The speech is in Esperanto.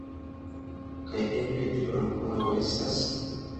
Kaj eble io ankoraŭ restas?